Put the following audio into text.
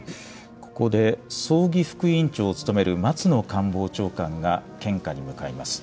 ここで葬儀副委員長を務める松野官房長官が献花に向かいます。